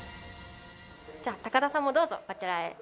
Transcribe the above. じゃあ高田さんもどうぞこちらへ。